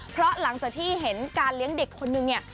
เพราะหลังจากที่เห็นการเลี้ยงเด็กคนนึงเนี่ย